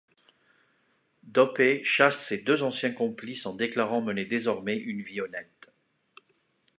Dopey chasse ses deux anciens complices en déclarant mener désormais une vie honnête.